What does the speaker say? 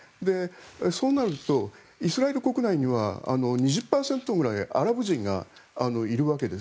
そうなると、イスラエル国内には２０％くらいアラブ人がいるわけです。